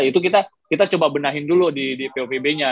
itu kita coba benahin dulu di plvb nya